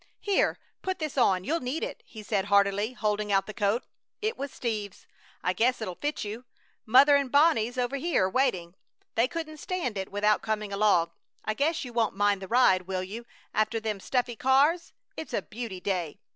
"Here, put this on; you'll need it," he said, heartily, holding out the coat. "It was Steve's. I guess it'll fit you. Mother and Bonnie's over here, waiting. They couldn't stand it without coming along. I guess you won't mind the ride, will you, after them stuffy cars? It's a beauty day!"